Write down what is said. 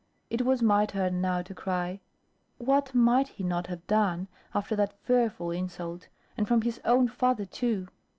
It was my turn now to cry; what might he not have done, after that fearful insult, and from his own father too?